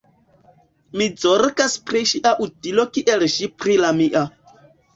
Mi zorgas pri ŝia utilo kiel ŝi pri la mia.